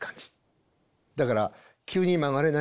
だから急に曲がれないんですね。